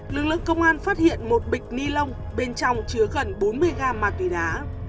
lực lượng công an phát hiện một bịch ni lông bên trong chứa gần bốn mươi gram ma túy đá